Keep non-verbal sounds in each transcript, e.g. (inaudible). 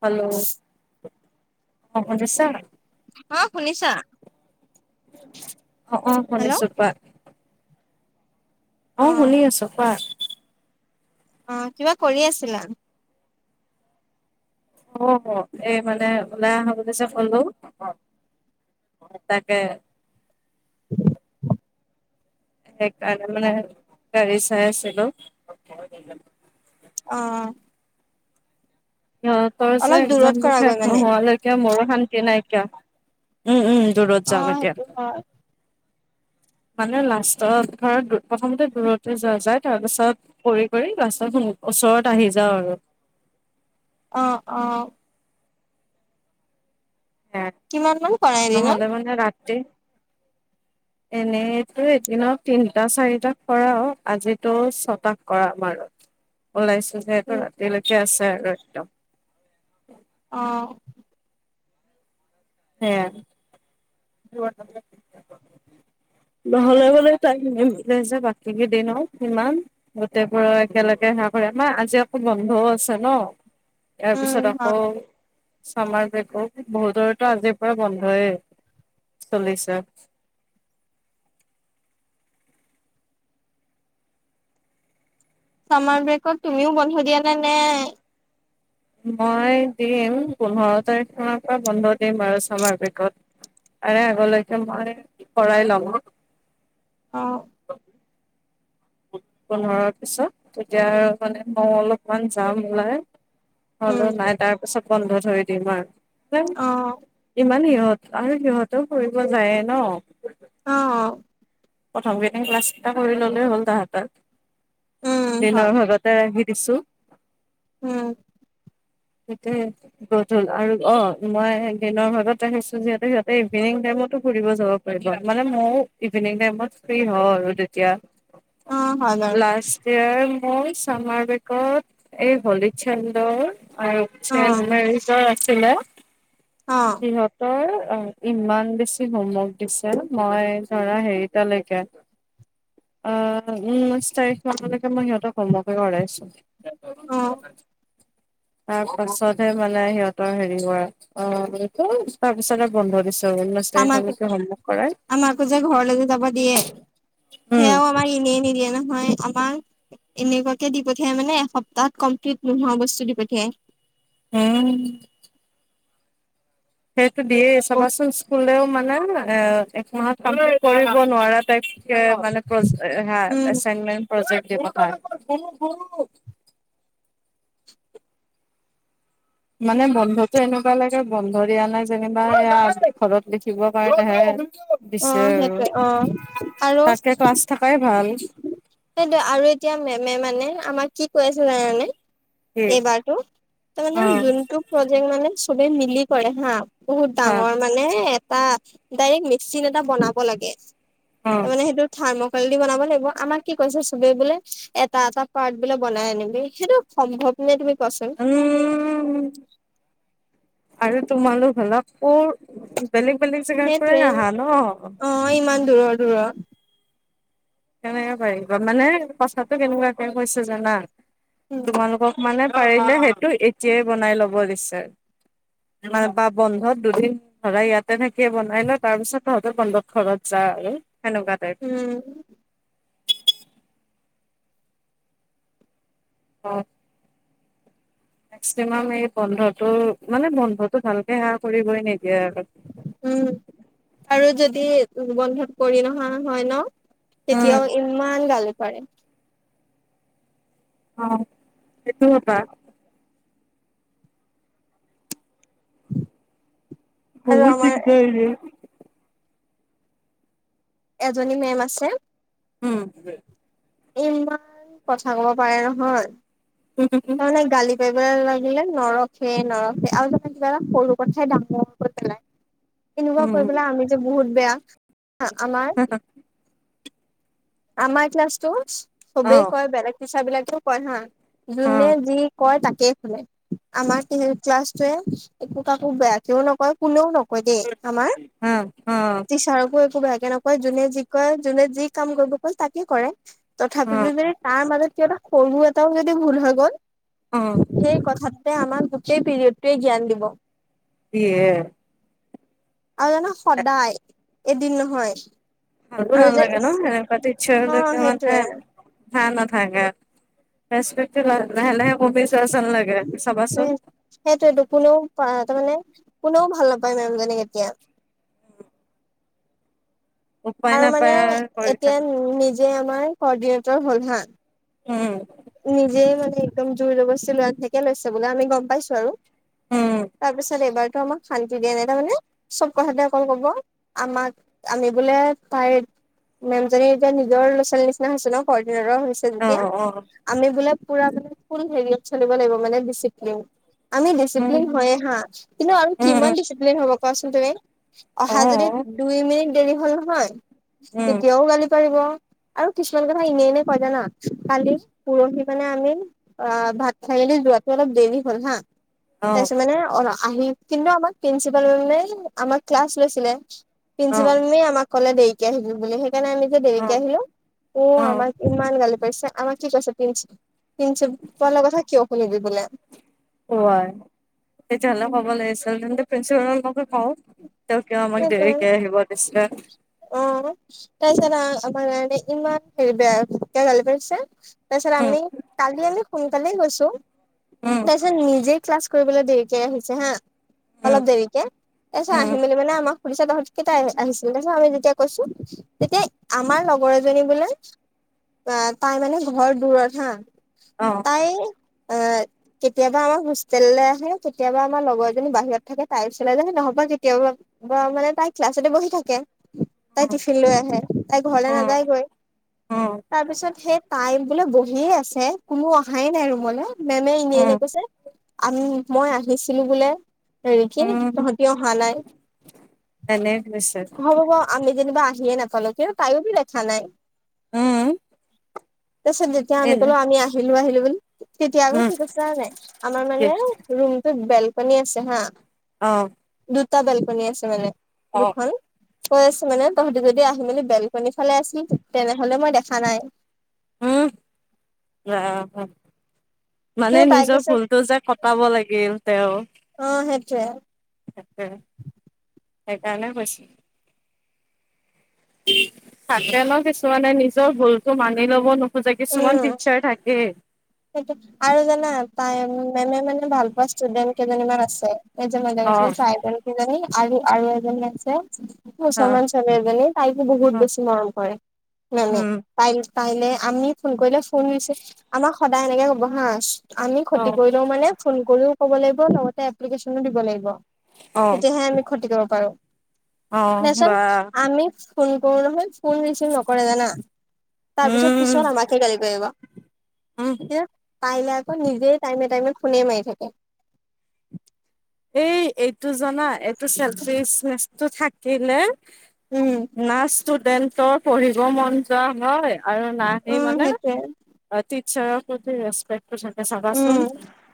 Hello অ শুনিছা? অ' শুনিছা? অ অ হেল্ল' শুনিছোঁ কোৱা? অ' শুনি আছো কোৱা? অ' কিবা কৰি আছিলা? অ এই মানে ওলাই আহা বুলি চ কলো অ। (unintelligible) তাকে। (inaudible) সেইকাৰণে মানে গাড়ী চাই আছিলো। অ'। তই যে অলপ একজাম দূৰত কৰাগৈ শেষ মানে নোহোৱালৈকে মোৰো শান্তি নাইকিয়া উম উম। দুৰত অ যাম এতিয়া। সেইটো হয় মানে লাষ্টত ধৰ প্ৰথমতে দূৰতে যোৱা যায় তাৰপাছত (unintelligible) কৰি-কৰি লাস্টত ওচৰত আহি যাও আৰু। অ', অ'। কিমান মান কৰা (unintelligible) এদিনত নহলে মানে ৰাতি এনেতো এদিনত তিনটা চাৰিটা কৰাও আজিতো ছটা কৰামাৰ আৰু। ওলাইছো যিহেতু ৰাতিলৈকে আছে আৰু একদম। অ'। হেয়া (unintelligible) নহলে বোলে টাইম নিমিলে যে বাকী কেইদিনত সিমান গোটে বোৰৰ একেলগে (unintelligible) আমাৰ আজি আকৌ বন্ধও আছে ন। ইয়াৰ উম পিছত আকৌ হয় চামাৰ ব্ৰেকো বহুতৰ (unintelligible) আজিৰ পৰাই বন্ধয়ে চলিছে। চামাৰ ব্ৰেকৰ তুমিও বন্ধ দিয়া নে নে মই দিম পোন্ধৰ তাৰিখ মৰ পৰা বন্ধ দিম আৰু ছমাৰ বিগত আৰে আগলৈকে মই কৰাই লম অ পোন্ধৰৰ পিছত তেতিয়া আৰু মানে মই অলপমান যাম ওলাই উম হলো নাই তাৰ পিছত বন্ধ ধৰি দিম আৰু অ ইমান সহত আৰু সহঁতও ফুৰিব যায়ে ন অ প্ৰথম কেই ক্লাছ কেইটা কৰি ললে হ'ল উম তাহতত হয় দিনৰ ঘৰতে আহি আছো উম সেইটোয় গধল আৰু অ মই দিনৰ ভাগত ৰাখিছো যিহু সিহঁতে ইভিনিং ব ম ম (unintelligible) ফ্ৰী হও আৰু তেতিয়া অ হয় বাৰু লাস্ট ইয়াৰ মোৰ চামাৰ বেগত এই হলি চন্দৰ আৰু অ চেমেজৰ আছে ছিলে অ সিহঁতৰ অ ইমান বেছি হোমৱৰ্ক দিছে মই ধৰা হেৰিতালৈকে আহ ঊনৈশ তাৰিখ মানলৈকে মই সিহঁতক হোমৱৰ্কে কৰাইছো অ (unintelligible) তাৰ পাছতহে মানে সিহতৰ হেৰি হোৱা অ' (unintelligible) তাৰ পিছতে বন্ধ দিছে। আমাক নসাৰীখনকে হখ কৰাই আমাকো যে ঘৰলৈ যাব দিয়ে উম সেয়াও আমাক এনে নিদিয়ে ন। হয় আমাক এনেকুৱাকে দি পঠিয়াই মানে এসপ্তাহত কমপ্লিট নোহোৱা বস্তু দি পঠিয়াই। আহম সেইটো দয়ছ বাাচোন স্কুলৰে মানে এ এক মাহত কাম কৰিব নোৱাৰা টাইপ মানে প্ৰ উম এাইনমেন্ট প্ৰজেক্ট কাৰ মানে বন্ধতো এনেকুৱা লাগে বন্ধ দিয়া নাই যেনিবা ঘৰত লিখিব াৰ দেহে অ দিছে আৰু সেইটোৱে অ তাকে ক্লাছ থাকাই ভাল সেইটো আৰু এতিয়া মেমে মানে আমাক কি কৈ আছিল জানে কি এইবাৰতটো তাৰ মানে অ যোনটো প্ৰজেক্ট মানে চবেই মিলি কৰে হা বহুত হা ডাঙৰ মানে এটা ডাইৰেক্ট মিক্সিন এটা বনাব লাগে অ তাৰ মানে সেইটো থাৰ্মকলল দি বনাব লাগিব আমাক কি কৈছে চবেই বোলে এটা এটা পাৰ্ট বোলে বনাই আনিবি সেইটো সম্ভৱ নে তুমি পচন্দ উম আৰু তোমালোক হালকৌ বেলেগ বেলেগ জেগাৰ সেইটোৱে পৰাই আহা ন অ ইমান দূৰৰ দূৰৰ কেনেকে পাৰিবা মানে কথাটো কেনেকুৱাকে কৈছে জান উম তোমালোকক মানে পাৰিলে সেইটো এতিয়াই বনাই লব দিচাৰে ন বা বন্ধত দুদিন ধৰা ইয়াতে থাকি বনাই ল তাৰ পিছত তহঁতৰ বন্ধত ঘৰত যা আৰু সেনেকুৱা টাইপ উম অ। মেক্সিমাম এই বন্ধটো মানে বন্ধতটো ভালকে সেৱা কৰিবই নিদ উম আৰু যদি বন্ধত কৰি নহা হয় ন উম, তেতিয়াও ইমান গালি পাৰে। অ সেইটো হব আৰু বহুত আমাৰ দিগদে এজনী মেম আছে উম ইমান কথা ক'ব পাৰে নহয় উম, হম - হম। বেমাৰ লাগিলে নৰখে - নৰখে আৰু ত কিবা সৰু কথাই ডাঙ - ডৰঙৰ কৰি পেলাই। এনেকুৱা কৰি উম, পেলাই আমি যে বহুত বেয়া আমাৰ আমাৰ ক্লাছতটো সবেই অ', কয় বেলেগ পিচ বিলাকেও কয় হা যোনে অ', যি কয় তাকে কেইফে আমাৰ ক্লাছটোৱে একো কাকো বেয়াকেও নকয় কোনেও নকয়। কয় দেই আমাৰ অ', অ', টিচাৰকো একোব কেনেকৈ যোনে যি কয় যোনে যি কাম কৰিবৈ কল তাকে কৰে তথাপি অ', ম তাৰ মাজত কিব এটা সৰুব এটাও যদি ভুল হৈ গ'ল। অ', সেই কথাতে আমাক গোটেই পিৰিয়ডটোৱে জ্ঞান দিব। এয়ে আৰু জানো সদায় এদিন নহয়। ভো আৰু নাল যে লাগে ন এনেকুৱাতি ইচ্ছা অ হলে মানে সেইটোয়ে ভ নাথাকাকে। লাহ - লাহে - লাহে মমি চোৱাচ ন লাগে চাবাচোন। তাৰ মানে কোনেও ভাল নাপায় মেম যেনে কেতিয়া উপায় আৰু মানে নাপায় আৰু কৰি এতিয়া থাকো নিজে আমাৰ কৰ্ডিনেটৰ হ'লহা উম, দৰ জব্তী ল আ থাকে লৈছে বোলে আমি গম পাইছো আৰু উম তাৰপিছত এইবাৰতো আমাক শান্তি দিয়া নাই তাৰমানে চব কথাতে অকল কব আমাক আমি বোলে তাইৰ মেম জী এতিয়া নিজৰ ল'ৰা ছোৱালী নিচিনা হৈছে ন ঘ ৰ হৈছে অ যেতিয়া অ আমি বোলে পুৰা মানে ফুল হেৰিয়াত চলিব লাগিব মানে ডিচিপ্লিন আমি উম ডিচিপ্লিন হয় হা কিন্তু আৰু উম কিমান ডিচিপ্লিন হব কোৱাচোন তুমি অ অহা যদি দুই মিনিট দেৰি হ'ল নহয় উম তেতিয়াও গালি। কি কৰিব আৰু কিছুমান কথা এনেই এনেই কয় জানা কালি পৰহি মানে আমি অ, ভাত চাঙিলি যোৱাতটো অলপ দেৰি হ'ল হা অ তাৰপিছত মানে অ, আহি কিন্তু আমাক প্ৰিন্ঞ্চিপাল মানে আমাক ক্লাছ লৈছিলে। অ প্ৰিন্ঞ্চিপাল মমি আমাক ক'লে দেৰিকে আহিল বুলিেই সেইকাৰণে আমি যে অ দেৱীকী আহিলো উম, অ আমাক ইমান গালি পছে আমাক কি কছে তিনি নিছ পলাৰ কথা কিয় অ, শুনি দি বোলে। তেতিয়াহ'লে ক'ব লাগিছিল তেন্তে প্ৰিন্ঞ্চিপালৰ মকে কও। তকে ম মাক দেৰিকে আহিবতষ্ট অ তাৰপিছত আমাৰ কাৰে ইমান হেৰি বেয়া কিয় গাল পছে তাৰ পিছত উম আমি কালি আমি সোনকালে গৈছো উম তাৰপিছত নিজে ক্লাছ কৰিবলৈ দেৰিকে আহিছে হা উম অলপ দেৰিকে তাৰপিছত উম আহি মেলি মানে। খুচা তত কেইটা আহ আহিছিল তাৰ পিছত আমি যেতিয়া কৈছো তেতিয়া আমাৰ লগৰ এজনী বোলে আহ তাই মানে ঘৰ দূৰত হা অ তাই। এ (inaudible) কেতিয়াবা আমাৰ হোষ্টেললৈ আহে কেতিয়াবা আমাৰ লগৰজনী বাহিৰত থাকে তাৰ ওচৰলৈ যে নহ'বা কেতিয়াবা বা মানে তাই ক্লাছতে বহি থাকে। অ তাই টিফিন লৈ আহে তাই ঘৰলৈ অ নাযায় গৈ। তাৰ পিছত সেই তাই বোলে বহিয়ে আছে কোনো অহাই নাই ৰুমলৈ মেমে এনেই অ এনে অ কৈছে। আম মই আহিছিলো বোলে হেৰিকি তহতি অহা নাই। তেনে ভছত বা আহিয়ে নাপালো কিন্তু তাইো বি দেখা নাই উম, তাৰিছততিয়া আমি এনে কলো আমি আহিলো - আহিলো বুলি তেতিয়া উম, কি কৈছা হয় নাই আমাৰ কি মানে ৰুমটোত বেলকনী আছে হা। অঁ। দুটা বেলকনী আছে মানে দুখন কৈ আছে মানে তহঁতি যদি আহি মেলি বেলকন। ফালে আছিল তেনেহলে মই দেখা নাই। উম, আহ। মানে কিন্তু তাই নিজৰ কৈছে ভুলতো যে কটাব লাগিল তেওঁ অ সেইটো য়ে সেইকাৰ নে কছ তাকে ন কিছুমানে নিজৰ ভুলতো মানি লব নো উম সেইটো আৰু জানা তাই মেমে মানে, ভাল পোৱা ষ্টুডেণ্ট কেইজনী ইমান আছে নিজে মাজে ম অ', ট্ৰাইবেল কেইজনী, আৰু - আৰু এজনী আছে। অ', মুছলমান ছোৱালী এজনী, তাইকো বহুত অ বেছি মৰম কৰে মানে উম, তাই কাইলে আমি ফোন কৰিলে ফোন হৈছে আমাক সদায় এনেকে কবসাচ আমি ক্ষতি অ', কৰি লও মানে ফোন কৰিও ক'ব লাগিব লগতে এপ্লিকেশ্যনো দিব লাগিব। অ', তেতিয়াহে আমি ক্ষতি কৰিব পাৰো অ নচ বা আমি ফোন কৰো নহয় ফোন ৰিচিভ নকৰে জানা তাৰপিছত উম, পিছত আমাকে গালি পাৰিব, উম, পাৰিলে আকৌ নিজেই টাইমে টাইমে,, ফোনে মাৰি থাকে এই - এইটো জানা এইটো চেলফনেচটো থাকিলে। উম না ষ্টুডেন্টৰ পঢ়িব মন যোৱা হয়। আৰু নাহেই উম মানে সেইটোৱে টিচাৰকধ ৰেস্টপেক্, তচতে উম চাবাচোন,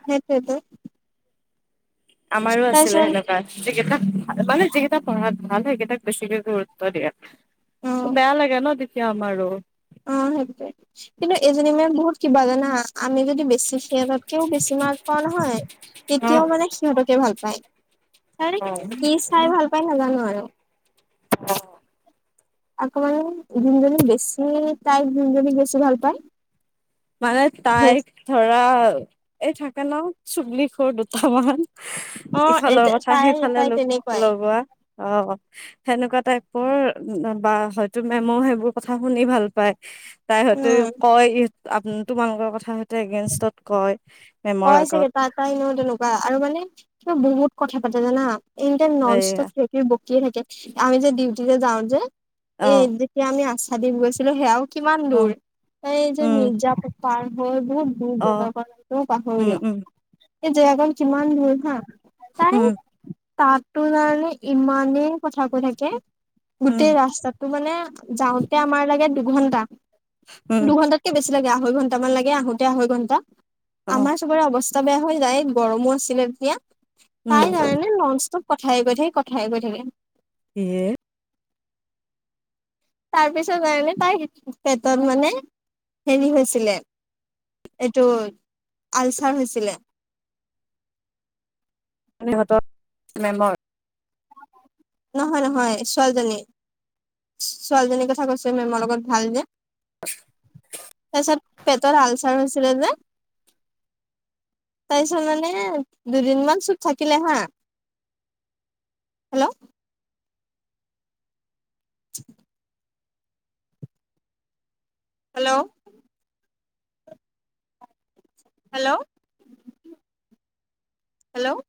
সেইটোৱেতো আমাৰো আছিলে তাৰপিছত সেনেকুৱাই যিকেইটা - - মানে যিকেইটা পঢ়াত ভাল সেইকেইটাক বেছিকে গুৰুত্ব উম দিয়া বেয়া লাগে ন! তেতিয়া আমাৰো, সেই কিন্তু এজনী মেম বহুত কিবা জানা আমি যদি বেছি খিয়তকেও বেছি মাৰ্ক পাওঁ নহয়, অ তেতিয়াও মানে সিহঁতকে ভাল পায়। তে অ কি চাই ভাল পাই নাজানো আৰু, আকৌ মমান দিনজনী বেছি তাই দিনজনী বেছি ভাল পায় মানে সেই তাইক ধৰা এই থাকে ন চুবল খোৰ দুটামান অ এ ইফালৰ কথা তাই সেইফালে তাই লগোক তেনেকুৱাই লগোৱা অ সেনেকুৱা টাইপৰ বা হয়তো মেম' সেইবোৰ কথা শুনি ভাল পায়। তাই হয়টো উম কয় আপ তোমালোকৰ কথা সতে এগেনষ্টত কয়। মেমৰ কয় চাগে আগত তাৰ তাই ন তেনেকুৱা আৰু মানে কিবা বহুত কথা পাতে জানা। এনি টাইম নন এইয়া ষ্টপ কিবা কিবি বকিয়ে থাকে আমি যে ডিউটিলে যাওঁ যে অ এ যেতিয়া আমি আশা দি গৈছিলো সেয়াও কিমান দূৰ, অ এই যে উম মিৰ্জাটো পাৰ হৈ বহুত দূৰ অ জেগা (unintelligible) উম উম। এই জেগাকন কিমান দূৰ হা, তাৰে উম তাটো মানে ইমানে কথা কৈ থাকে উম গোটেই ৰাস্তাতো মানে যাওঁতে আমাৰ লাগে দুঘন্টা। উম দুঘন্টাতকে বেছি লাগে আঢ়ৈ ঘন্টামান লাগে আহোতে আঢ়ৈ ঘন্টা অ আমাৰ চবৰে অৱস্ বেয়া হৈ যায় গৰমো আছিলে তেতিয়া উম তাই কাৰে লঞ্চ কথাই গৈ থাকে কথাই গৈ থাকে। ইয়ে তাৰপিছৰ কাৰণে তাই পেটত মানে হেৰি হৈছিলে। এইটো আলচাৰ হৈছিলে। হতৰ মেমৰ। নহয় নহয় ছোৱালীজনী। ছোৱালীজনীৰ কথা কৈছোঁ মেমৰ লগত ভাল যে। তাৰপিছত পেটত আালচাৰ হৈছিলে যে। তাৰপিছত মানে দুদিনমান চুব থাকিলে হা। Hello, (unintelligible) hello, hello, - hello ',